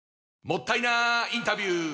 もったいなインタビュー！